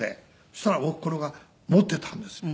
そしたらおふくろが持ってたんですよ。